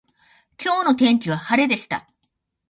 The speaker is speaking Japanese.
今日の天気は晴れでした。